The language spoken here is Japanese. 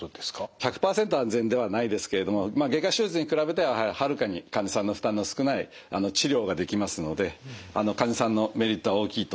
１００％安全ではないですけれども外科手術に比べてははるかに患者さんの負担の少ない治療ができますので患者さんのメリットは大きいと。